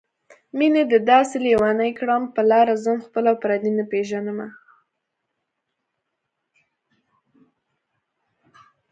مينې دې داسې لېونی کړم په لاره ځم خپل او پردي نه پېژنمه